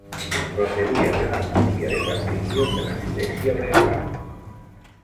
Procedía de una familia de patricios de la silesia Breslau.